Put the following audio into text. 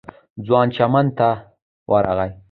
ځوان چمن ته ورغی.